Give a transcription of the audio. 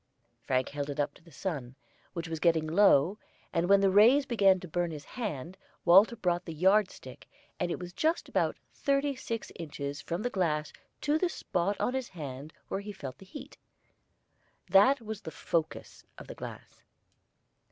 Frank held it up to the sun, which was getting low, and when the rays began to burn his hand, Walter brought the yard stick, and it was just about thirty six inches from the glass to the spot on his hand where he felt the heat. That was the focus of the glass.